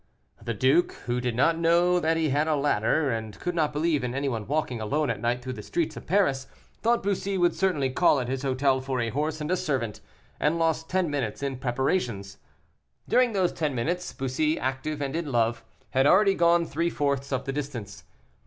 The duke, who did not know that he had a ladder, and could not believe in any one walking alone at night through the streets of Paris, thought Bussy would certainly call at his hotel for a horse and a servant, and lost ten minutes in preparations. During those ten minutes, Bussy, active and in love, had already gone three fourths of the distance.